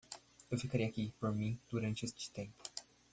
Eu ficarei aqui por mim durante este tempo.